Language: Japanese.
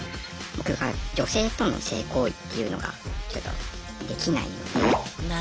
僕が女性との性行為っていうのがちょっとできないので。